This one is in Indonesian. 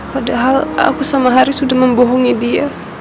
padahal aku sama haris sudah membohongi dia